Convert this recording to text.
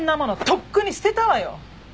とっくに捨てたわよ！